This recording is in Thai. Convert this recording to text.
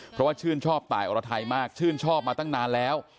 เพราะว่าชื่นชอบตายอรไทยมากชื่นชอบมาตั้งนานแล้ว